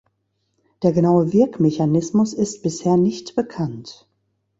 Der genaue Wirkmechanismus ist bisher nicht bekannt.